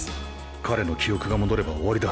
彼の記憶が戻れば終わりだ。